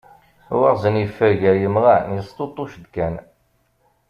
Waɣzen yeffer gar yemɣan yesṭuṭṭuc-d kan.